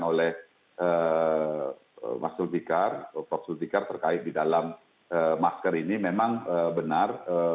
yang disampaikan oleh mas zulfiqar terkait di dalam masker ini memang benar